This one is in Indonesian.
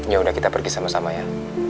yaudah kita pergi sama sama ya